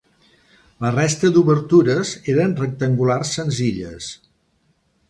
La resta d'obertures eren rectangulars senzilles.